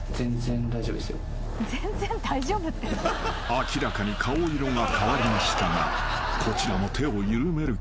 ［明らかに顔色が変わりましたがこちらも手を緩める気はさらさらありません］